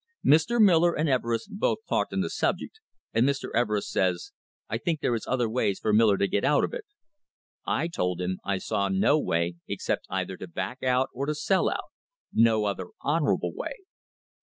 Mr. Miller and Everest both talked on the subject, and Mr. Everest says, 'I think there is other ways for Miller to get out of it.' I told him I saw no way except either to back out or to sell out; no other honourable way.